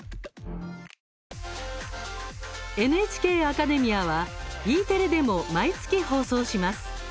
「ＮＨＫアカデミア」はＥテレでも毎月、放送します。